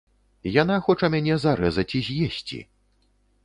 Яна хоча мяне зарэзаць і з'есці.